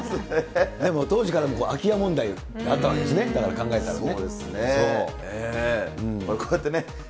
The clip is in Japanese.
でも当時から空き家問題だったわけですね、だから考えたらね。